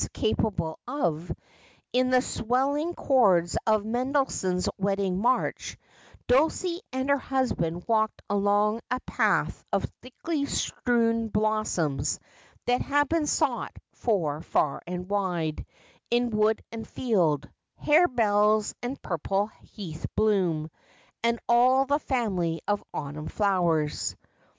capable of, in the swelling chords of Mendelssohn's "Wedding March, Dulcie and her husband walked along a path of thickly strewn blossoms that had been sought for far and wide, in wood and field — harebells and purple heath bloom, and all the family of autumn flowers.